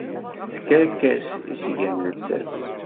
S tkerkas i s-gan llsas.